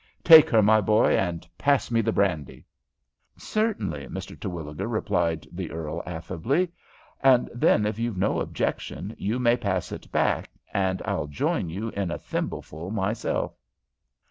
Take her, my boy, and pass me the brandy." "Certainly, Mr. Terwilliger," replied the earl, affably. "And then, if you've no objection, you may pass it back, and I'll join you in a thimbleful myself."